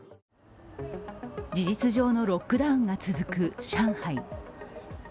事実上のロックダウンが続く上海。